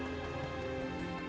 dia juga menangis